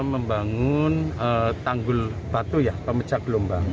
kita harus bangun tanggul batu ya pemecah gelombang